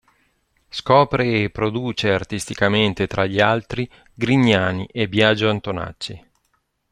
Scopre e produce artisticamente tra gli altri Grignani e Biagio Antonacci.